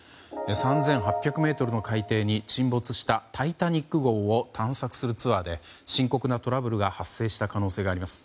３８００ｍの海底に沈没した「タイタニック号」を探索するツアーで深刻なトラブルが発生した可能性があります。